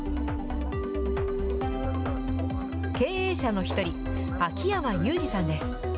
経営者の一人、秋山祐二さんです。